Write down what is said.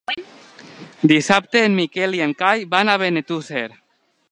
Dissabte en Miquel i en Cai van a Benetússer.